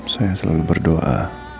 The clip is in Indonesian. saya selalu berdoa